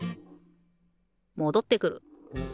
もどってくる。